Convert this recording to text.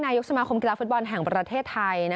นายกสมาคมกีฬาฟุตบอลแห่งประเทศไทย